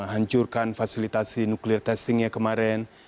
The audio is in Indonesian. hancurkan fasilitasi testing nuklirnya kemarin